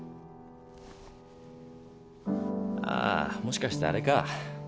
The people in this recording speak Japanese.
あぁもしかしてあれか？